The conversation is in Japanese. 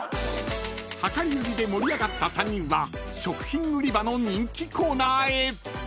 ［量り売りで盛り上がった３人は食品売り場の人気コーナーへ］